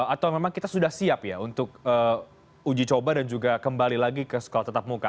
atau memang kita sudah siap ya untuk uji coba dan juga kembali lagi ke sekolah tetap muka